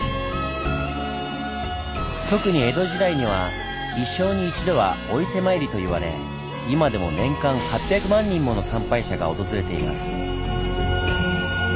特に江戸時代には「一生に一度はお伊勢参り」と言われ今でも年間８００万人もの参拝者が訪れています。